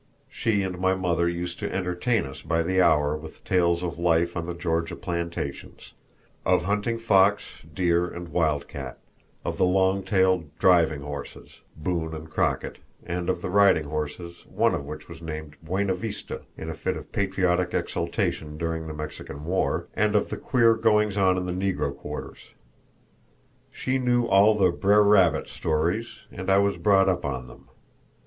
She and my mother used to entertain us by the hour with tales of life on the Georgia plantations; of hunting fox, deer, and wildcat; of the long tailed driving horses, Boone and Crockett, and of the riding horses, one of which was named Buena Vista in a fit of patriotic exaltation during the Mexican War; and of the queer goings on in the Negro quarters. She knew all the "Br'er Rabbit" stories, and I was brought up on them.